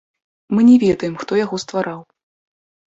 Мы не ведаем, хто яго ствараў.